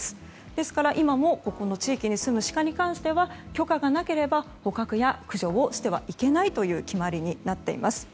ですから、今もこの地域に住むシカに関しては許可がなければ、捕獲や駆除をしてはいけないという決まりになっています。